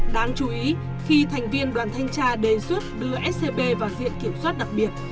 đáng chú ý khi thành viên đoàn thanh tra đề xuất đưa scb vào viện kiểm soát đặc biệt